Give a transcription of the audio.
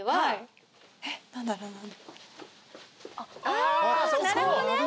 あなるほどね！